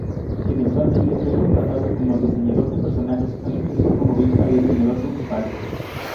Eventualmente, fue contratado como diseñador de personajes, antes de ser promovido a diseñador principal.